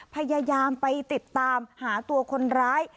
พยายามไปติดตามหาตัวคนร้าย